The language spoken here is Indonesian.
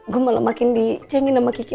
gue malah makin dicengin sama kiki